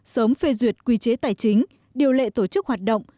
sớm phê duyệt quy chế tài chính điều lệ tổ chức hoạt động